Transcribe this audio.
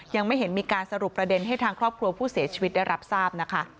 ยังไม่เห็นมีการสรุปประเด็นให้ทางครอบครัวผู้เสียชีวิตได้รับทราบนะคะ